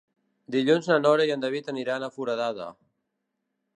Dilluns na Nora i en David aniran a Foradada.